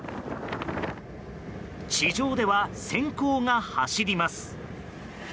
地上では閃光が走ります。